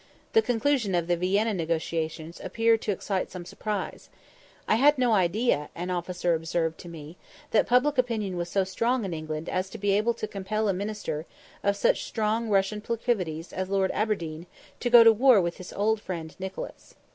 The conclusion of the Vienna negociations appeared to excite some surprise. "I had no idea," an officer observed to me, "that public opinion was so strong in England as to be able to compel a minister of such strong Russian proclivities as Lord Aberdeen to go to war with his old friend Nicholas."